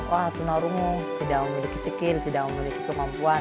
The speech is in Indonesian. orang tuna rungu tidak memiliki skill tidak memiliki kemampuan